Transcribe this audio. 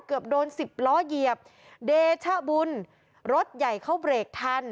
เกือบโดนสิบล้อเหยียบเดชบุญรถใหญ่เขาเบรกทัน